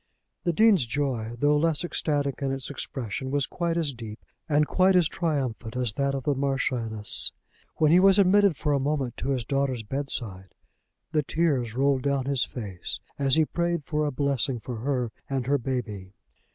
The Dean's joy, though less ecstatic in its expression, was quite as deep and quite as triumphant as that of the Marchioness. When he was admitted for a moment to his daughter's bedside, the tears rolled down his face as he prayed for a blessing for her and her baby.